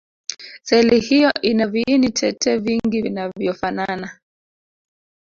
seli hiyo ina viini tete vingi vinavyofanana